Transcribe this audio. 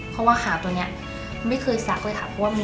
เพราะว่าหางตัวนี้ไม่เคยซักเลยค่ะ